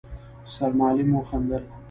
سرمعلم وخندل: